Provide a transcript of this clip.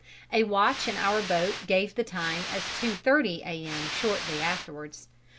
a watch in our boat gave the time as 2:30 A.M. shortly afterwards.